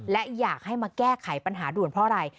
และอยากให้มาแก้ไขปัญหาด่วนเพราะอะไร